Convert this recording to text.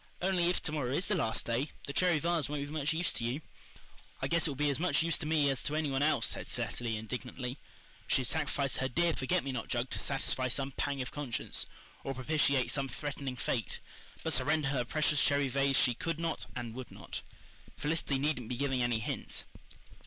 "Only, if to morrow is the last day, the cherry vase won't be much use to you." "I guess it will be as much use to me as to any one else," said Cecily indignantly. She had sacrificed her dear forget me not jug to satisfy some pang of conscience, or propitiate some threatening fate, but surrender her precious cherry vase she could not and would not. Felicity needn't be giving any hints!